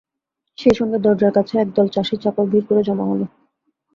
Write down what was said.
সেইসঙ্গে দরজার কাছে একদল দাসী চাকর ভিড় করে জমা হল।